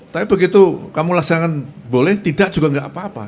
tapi begitu kamu laksanakan boleh tidak juga enggak apa apa